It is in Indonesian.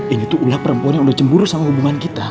ini tuh ulah perempuan yang udah cemburu sama hubungan kita